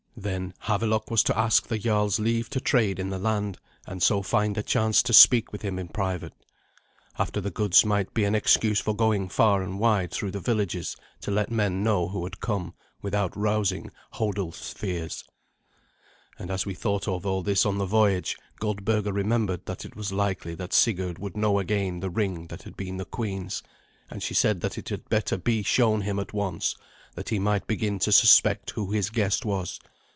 Then Havelok was to ask the jarl's leave to trade in the land, and so find a chance to speak with him in private. After that the goods might be an excuse for going far and wide through the villages to let men know who had come, without rousing Hodulf's fears. And as we thought of all this on the voyage, Goldberga remembered that it was likely that Sigurd would know again the ring that had been the queen's, and she said that it had better be shown him at once, that he might begin to suspect who his guest was.